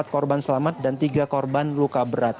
empat korban selamat dan tiga korban luka berat